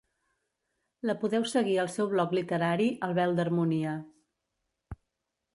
La podeu seguir al seu bloc literari El vel d’harmonia.